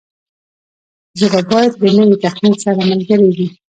ژبه باید له نوي تخنیک سره ملګرې وي.